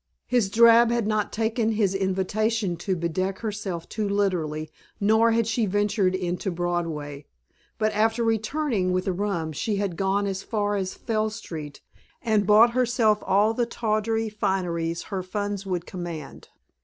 His drab had not taken his invitation to bedeck herself too literally, nor had she ventured into Broadway. But after returning with the rum she had gone as far as Fell Street and bought herself all the tawdry finery her funds would command.